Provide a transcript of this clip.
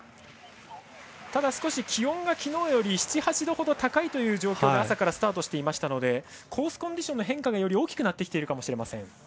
ただ、少し気温が昨日より７８度ほど高いという状況で朝からスタートしていたのでコースコンディションの変化がより大きくなっているかもしれません。